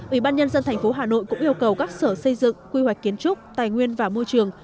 ủy ban nhân dân tp hà nội cũng yêu cầu các sở xây dựng quy hoạch kiến trúc tài nguyên và môi trường